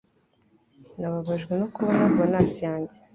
Nababajwe no kubona bonus yanjye